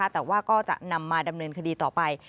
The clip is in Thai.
แต่ว่าก็จะนำมาดำเนินคดีต่อไป